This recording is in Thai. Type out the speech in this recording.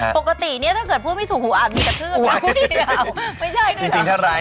ปกตินี่ถ้าเกิดพูดไม่ถูกหูอันมีกระทืบเท้าที่เหลียว